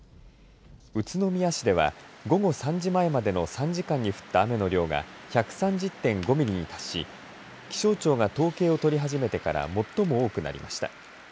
宇都宮市では午後３時前までの３時間に降った雨の量が１３０．５ミリに達し気象庁が統計を取り始めてから最も多くなりました。